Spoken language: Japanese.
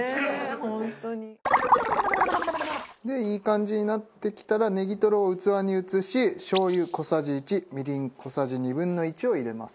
本当に。でいい感じになってきたらねぎとろを器に移ししょう油小さじ１みりん小さじ２分の１を入れます。